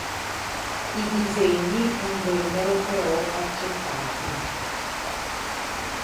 I disegni non vennero però accettati.